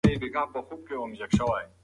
ببو په خپلو لمسو باندې ډېره مهربانه وه.